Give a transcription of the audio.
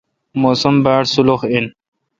موسم باڑ سولوخ این۔